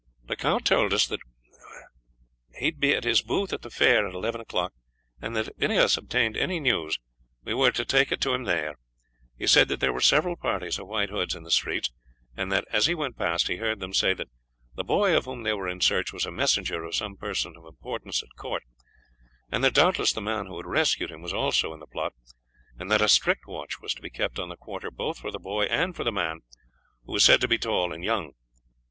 "The count told us that he would be at his booth at the fair at eleven o'clock, and that if any of us obtained any news we were to take it to him there. He said that there were several parties of White Hoods in the streets, and that as he went past he heard them say that the boy of whom they were in search was a messenger of some person of importance at court, and that doubtless the man who had rescued him was also in the plot, and that a strict watch was to be kept on the quarter both for the boy and for the man, who was said to be tall and young.